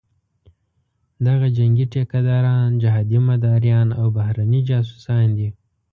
دغه جنګي ټیکه داران، جهادي مداریان او بهرني جاسوسان دي.